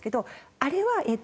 あれはえっと